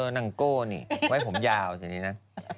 นางโก้นี่ไว้ผมยาวสินะ